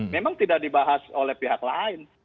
memang tidak dibahas oleh pihak lain